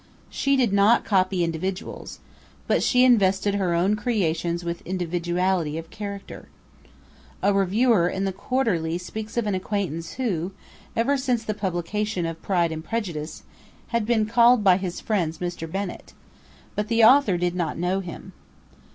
She did not copy individuals, but she invested her own creations with individuality of character. A reviewer in the 'Quarterly' speaks of an acquaintance who, ever since the publication of 'Pride and Prejudice,' had been called by his friends Mr. Bennet, but the author did not know him.